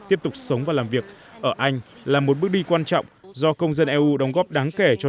tiếp tục sống và làm việc ở anh là một bước đi quan trọng do công dân eu đóng góp đáng kể cho